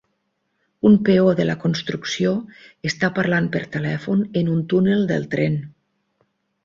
Un peó de la construcció està parlant per telèfon en un túnel del tren.